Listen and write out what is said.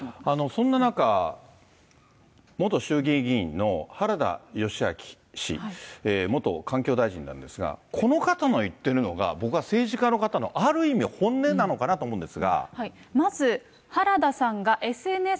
そんな中、元衆議院議員の原田義昭氏、元環境大臣なんですが、この方の言ってるのが、僕は政治家の方のある意味、本音なのかなと思うんです